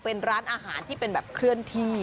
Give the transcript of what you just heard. เป็นร้านอาหารที่เป็นแบบเคลื่อนที่